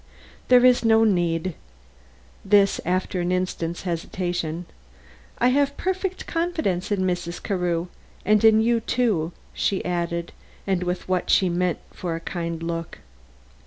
"There is no need." This after an instant's hesitation. "I have perfect confidence in Mrs. Carew; and in you too," she added, with what she meant for a kind look.